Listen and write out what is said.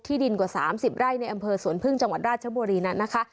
ดินกว่า๓๐ไร่ในอำเภอสวนพึ่งจังหวัดราชบุรีนั้นนะคะ